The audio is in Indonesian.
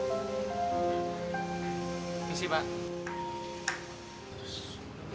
ini sih pak